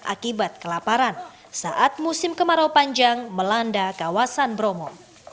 akibat kelaparan saat musim kemarau panjang melanda kawasan bromo